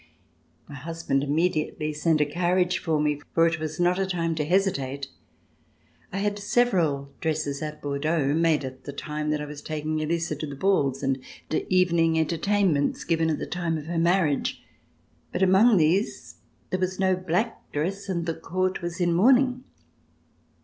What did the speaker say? My husband immediately sent a carriage for me, for it was not a time to hesitate. I had several dresses at Bordeaux, made at the time that I was taking Elisa to the balls and evening entertainments given at the time of her marriage, but among these there was no black dress, and the Court was in mourning.